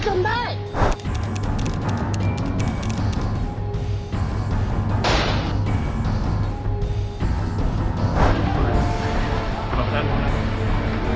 หลบมาหลบมา